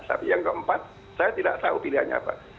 tapi yang keempat saya tidak tahu pilihannya apa